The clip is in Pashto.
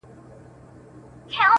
ښه او بد د قاضي ټول ورته عیان سو.